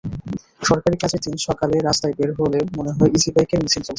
সরকারি কাজের দিন সকালে রাস্তায় বের হলে মনে হয়, ইজিবাইকের মিছিল চলছে।